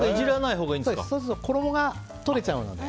そうすると衣が取れちゃうので。